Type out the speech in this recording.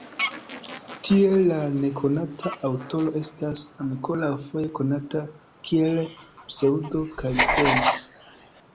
Tiele la nekonata aŭtoro estas ankoraŭ foje konata kiel Pseŭdo-Kalisteno.